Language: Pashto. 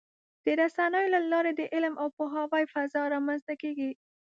د رسنیو له لارې د علم او پوهاوي فضا رامنځته کېږي.